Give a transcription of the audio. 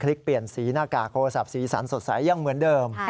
ลิกเปลี่ยนสีหน้ากากโทรศัพท์สีสันสดใสยังเหมือนเดิม